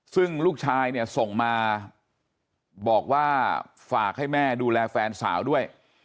ซึ่งลูกชายเนี่ยส่งมาบอกว่าฝากให้แม่ดูแลแฟนสาวด้วย